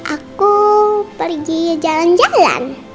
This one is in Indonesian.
aku pergi jalan jalan